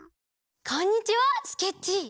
こんにちはスケッチー！